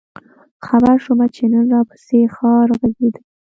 خبـــــر شومه چې نن راپســـې ښار غـــــږېده؟